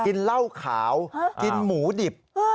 กินเหล้าขาวกินหมูดิบ